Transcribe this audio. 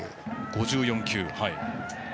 ５４球。